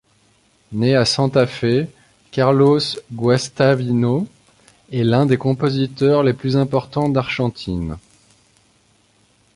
Né à Santa Fe, Carlos Guastavino est l’un des compositeurs les plus importants d’Argentine.